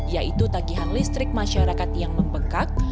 yaitu tagihan listrik masyarakat yang membengkak